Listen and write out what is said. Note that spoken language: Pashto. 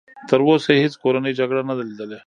تر اوسه یې هېڅ کورنۍ جګړه نه ده لیدلې.